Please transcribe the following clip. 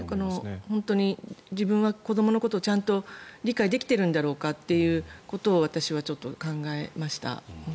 本当に自分は子どものことをちゃんと理解できてるんだろうかということを私はちょっと考えました。